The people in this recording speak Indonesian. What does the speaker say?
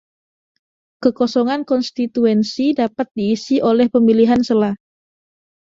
Kekosongan konstituensi dapat diisi oleh pemilihan sela.